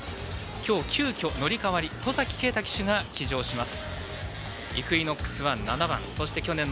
今日、急きょ乗り代わり戸崎圭太騎手が騎乗します。